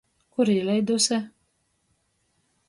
Kur īleiduse?